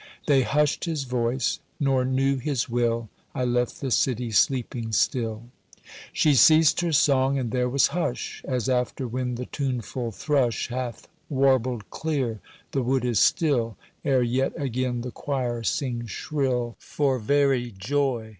They hushed his voice, nor knew his will— I left the city sleeping still. She ceased her song, and there was hush, As after when the tuneful thrush Hath warbled clear the wood is still Ere yet again the quire sings shrill For very joy.